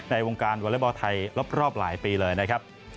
ในวงการวอเล็กบอลไทยรอบหลายปีเลยนะครับ